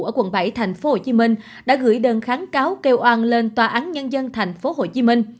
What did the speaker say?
ở quận bảy tp hcm đã gửi đơn kháng cáo kêu oan lên tòa án nhân dân tp hcm